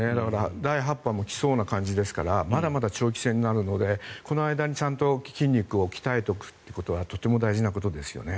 第８波も来そうな感じですからまだまだ長期戦になりそうなのでこの間に筋肉を鍛えておくことは大事なことですね。